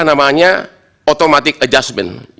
namanya automatic adjustment